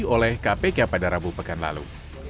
oleh kpk pada rabu pekan lalu